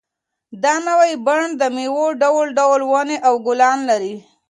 دا نوی بڼ د مېوو ډول ډول ونې او ګلان لري.